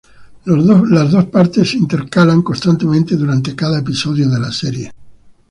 Las dos partes se intercalan constantemente durante cada episodio de la serie.